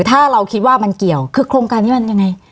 ถ้าเราคิดว่ามันเกี่ยวคือโครงการนี้มันยังไง